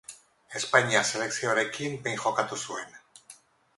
Espainiar selekzioarekin behin jokatu zuen.